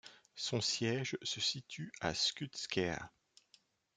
Son siège se situe à Skutskär.